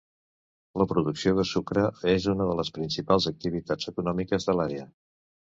La producció de sucre és una de les principals activitats econòmiques de l'àrea.